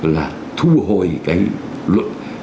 là thu hồi cái luận